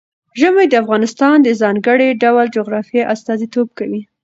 ژمی د افغانستان د ځانګړي ډول جغرافیه استازیتوب کوي.